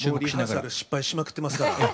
リハーサル失敗しまくってますから。